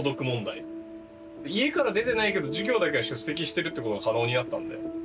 家から出てないけど授業だけは出席してるってことが可能になったんで。